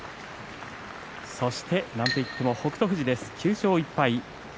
そして、なんといっても北勝富士９勝１敗。